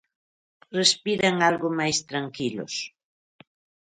Respiran algo máis tranquilos.